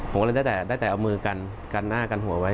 ผมก็เลยได้แต่เอามือกันกันหน้ากันหัวไว้